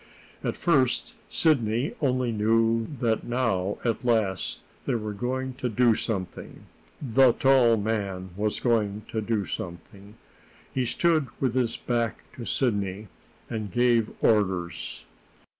At first Sidney only knew that now, at last, they were going to do something the tall man was going to do something. He stood with his back to Sidney, and gave orders.